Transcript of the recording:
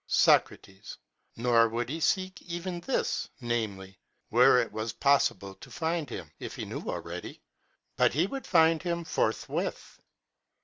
Soc. Nor would he seek even this, namely, where it was possible to find him, if he knew already; but he would find him forthwith.